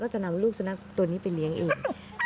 จะนำลูกสุนัขตัวนี้ไปเลี้ยงเอง